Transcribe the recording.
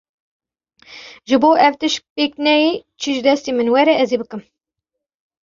Ji bo ev tişt pêk neyê çi ji destên min were ez ê bikim.